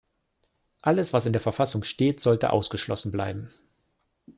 Alles, was in der Verfassung steht, sollte ausgeschlossen bleiben.